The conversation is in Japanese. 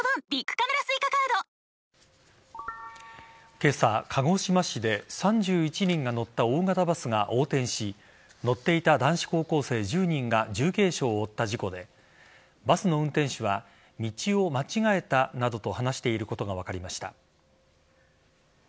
今朝、鹿児島市で３１人が乗った大型バスが横転し乗っていた男子高校生１０人が重軽傷を負った事故でバスの運転手は道を間違えたなどと話していることが分かりました。